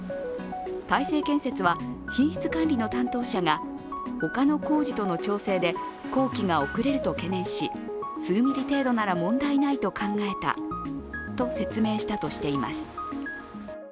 大成建設は品質管理の担当者が他の工事との調整で、工期が遅れると懸念し数ミリ程度なら問題ないと考えたと説明したとしています。